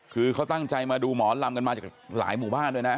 คือเขาตั้งใจมาดูหมอลำกันมาจากหลายหมู่บ้านด้วยนะ